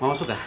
mau masuk ya